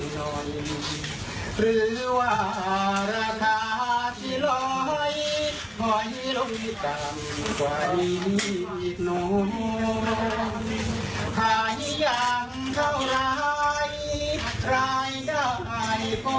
วรผู้จัดการท้อประสอบเงินผมไม่พอ